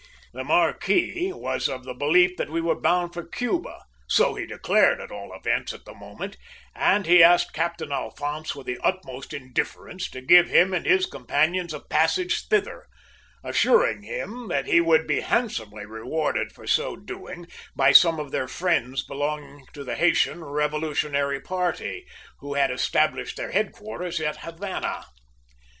"The `marquis' was of the belief that we were bound for Cuba, so he declared at all events at the moment, and he asked Captain Alphonse with the utmost indifference to give him and his companions a passage thither, assuring him that he would be handsomely rewarded for so doing by some of their friends belonging to the Haytian revolutionary party, who had established their headquarters at Havana.